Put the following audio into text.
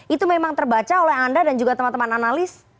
itu memang terbaca oleh anda dan juga teman teman analis